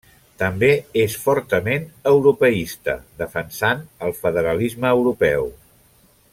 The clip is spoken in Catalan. També és fortament europeista, defensant el federalisme europeu.